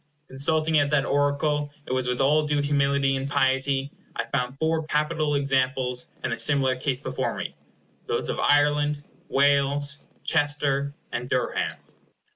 Consulting at that oracle it was with all due humility and piety I found four capital examples in a similar case before me; those of Ireland, Wales, Chester, and Durham.